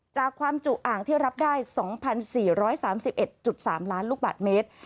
จากความจุอ่างที่รับได้๒๔๓๑๓ล้านลูกบาทเมตร